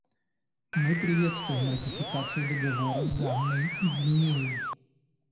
Мы приветствуем ратификацию Договора Ганой и Гвинеей.